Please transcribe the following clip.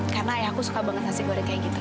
karena ayah aku suka banget nasi goreng kayak gitu